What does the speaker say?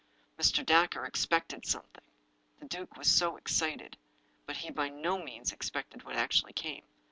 Mr. Dacre expected something. The duke was so ex cited. But he by no means expected what actually came.